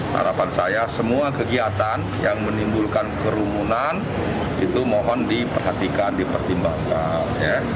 harapan saya semua kegiatan yang menimbulkan kerumunan itu mohon diperhatikan dipertimbangkan